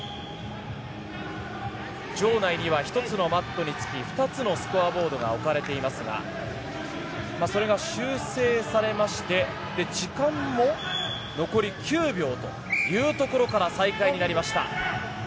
場内には１つのマットにつき２つのスコアボードが置かれていますがそれが修正されまして時間も残り９秒というところから再開になりました。